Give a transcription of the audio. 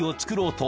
［と］